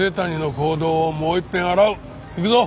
行くぞ。